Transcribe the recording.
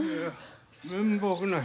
面目ない。